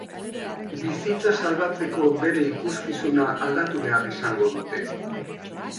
Bizitza salbatzeko bere ikuskizuna aldatu behar izango dute.